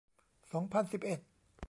สองพันสิบเอ็ด